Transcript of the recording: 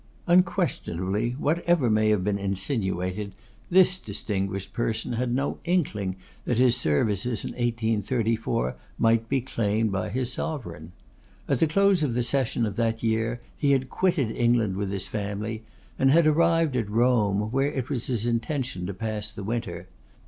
Unquestionably, whatever may have been insinuated, this distinguished person had no inkling that his services in 1834 might be claimed by his Sovereign. At the close of the session of that year he had quitted England with his family, and had arrived at Rome, where it was his intention to pass the winter.